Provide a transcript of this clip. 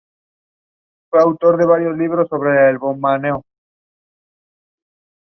Además de los alebrijes en sí mismos hay dos competencias literarias y una musical.